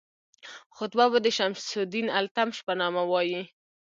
خطبه به د شمس الدین التمش په نامه وایي.